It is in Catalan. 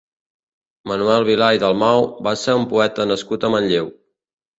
Manuel Vilà i Dalmau va ser un poeta nascut a Manlleu.